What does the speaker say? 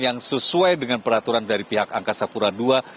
yang sesuai dengan peraturan dari pihak angkasa pura ii